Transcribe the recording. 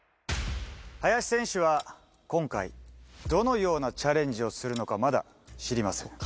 林選手は、今回、どのようなチャレンジをするのか、まだ知りません。